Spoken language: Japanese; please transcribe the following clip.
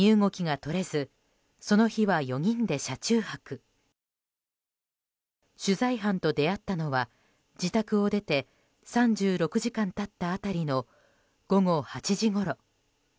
取材班と出会ったのは自宅を出て３６時間経った辺りの午後８時ごろ。